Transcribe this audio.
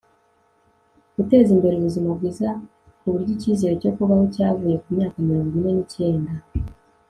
guteza imbere ubuzima bwiza kuburyo ikizere cyo kubaho cyavuye ku myaka mirongo ine n'icyenda